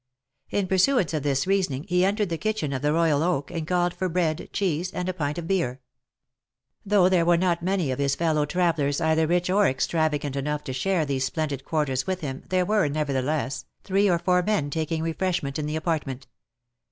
In pursuance of this reasoning, he entered the kitchen of the Royal Oak, and called for bread, cheese, and a pint of beer. Though there OF MICHAEL ARMSTRONG. 315 were not many of his fellow travellers either rich or extravagant enough to share these splendid quarters with him, there were, nevertheless, three or four men taking refreshment in the apartment.